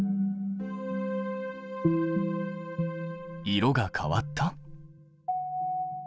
色が変わった？